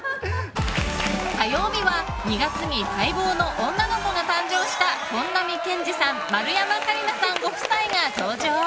火曜日は２月に待望の女の子が誕生した本並健治さん、丸山桂里奈さんご夫妻が登場。